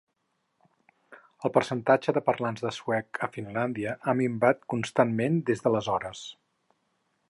El percentatge de parlants de suec a Finlàndia ha minvat constantment des d'aleshores.